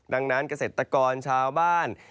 ดังนั้นเกษตรกรชาวบ้าน